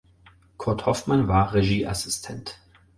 Kurt Hoffmann war Regieassistent.